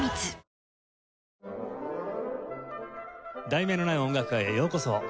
『題名のない音楽会』へようこそ。